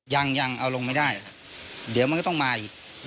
ยังเอาลงไม่ได้ครับเดี๋ยวมันก็ต้องมาอีก